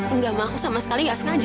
enggak mau aku sama sekali gak sengaja